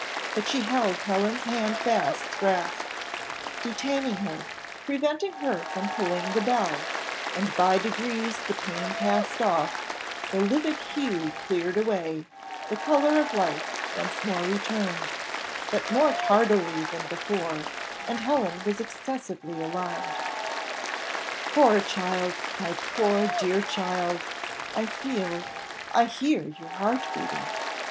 But she held Helen's hand fast grasped, detaining her preventing her from pulling the bell; and by degrees the pain passed off, the livid hue cleared away, the colour of life once more returned, but more tardily than before, and Helen was excessively alarmed. "Poor child! my poor, dear child, I feel I hear your heart beating.